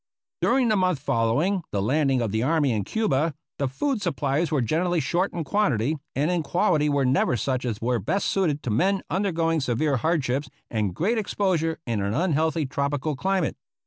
During the month following the landing of the army in Cuba the food supplies were generally short in quantity, and in quality were never such as were best suited to men undergoing severe hardships and great exposure in an un healthy tropical climate.